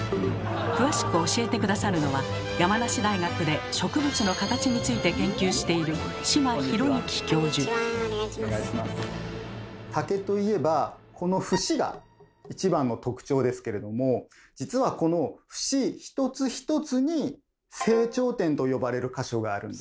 詳しく教えて下さるのは山梨大学で植物の形について研究している竹と言えばこの節が一番の特徴ですけれども実はこの節一つ一つに「成長点」と呼ばれる箇所があるんです。